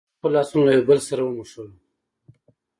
هولمز خپل لاسونه یو له بل سره وموښل.